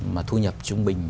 mà thu nhập trung bình